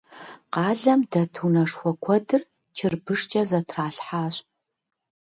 Къалэм дэт унэшхуэ куэдыр чырбышкӏэ зэтралъхьащ.